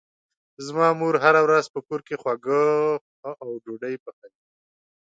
زما مور هره ورځ په کور کې خواږه او ډوډۍ پخوي.